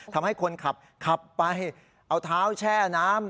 ทำให้คนขับขับไปเอาเท้าแช่น้ำ